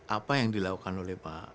apa yang dilakukan oleh pak